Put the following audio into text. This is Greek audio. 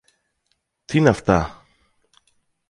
Τί είναι αυτά!